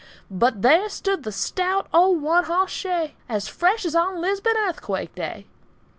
But there stood the stout old one hoss shay As fresh as on Lisbon earthquake day!